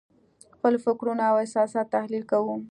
خپل فکرونه او احساسات تحلیل کوو.